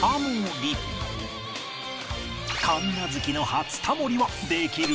神奈月の初タモリはできる？